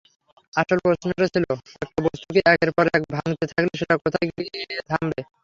আসল প্রশ্নটা ছিল একটা বস্তুকে একের পর এক ভাঙতে থাকলে সেটা কোথায় গিয়ে থামবে?